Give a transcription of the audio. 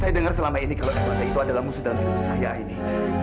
saya dengar selama ini kalau erlanda itu adalah musuh dalam sempurna saya aini